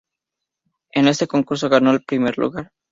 En este concurso ganó el primer lugar.